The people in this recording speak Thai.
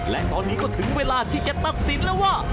และตอนนี้ก็ถึงเวลาที่จะตัดสินแล้วว่า